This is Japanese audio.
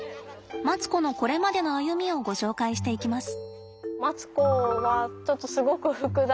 マツコのこれまでの歩みをご紹介していきます。